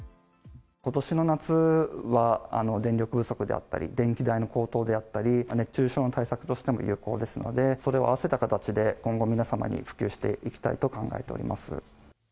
ことしの夏は、電力不足であったり、電気代の高騰であったり、熱中症の対策としても有効ですので、それを合わせた形で今後、皆様に普及していきたいと考えております。